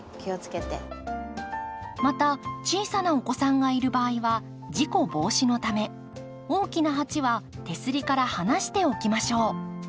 また小さなお子さんがいる場合は事故防止のため大きな鉢は手すりから離して置きましょう。